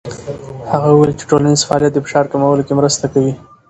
هغه وویل چې ټولنیز فعالیت د فشار کمولو کې مرسته کوي.